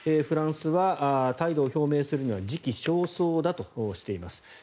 フランスは態度を表明するには時期尚早だとしています。